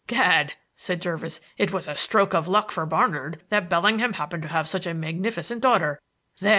"Gad," said Jervis, "it was a stroke of luck for Barnard that Bellingham happened to have such a magnificent daughter there!